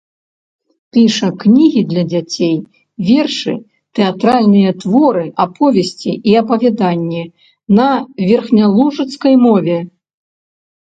Піша кнігі для дзяцей, вершы, тэатральныя творы, аповесці і апавяданні на верхнялужыцкай мове.